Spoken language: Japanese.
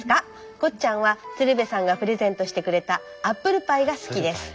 こっちゃんはつるべさんがプレゼントしてくれたアップルパイがすきです。